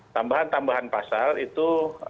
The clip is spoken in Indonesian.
tambahan tambahan pasal itu